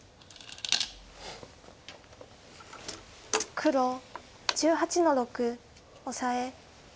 黒１８の六オサエ。